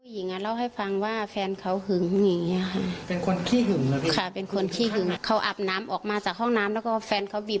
หญิงอะเล่าให้ฟังว่าแฟนเขาหึงอย่างงี้